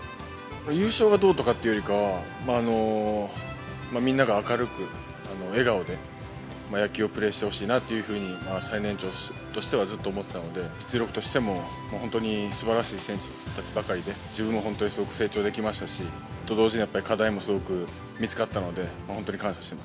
優勝がどうとかっていうよりかは、みんなが明るく、笑顔で野球をプレーしてほしいなというふうに最年長としてはずっと思ってたので、実力としても本当にすばらしい選手たちばかりで、自分も本当にすごく成長できましたし、と同時に、課題もすごく見つかったので、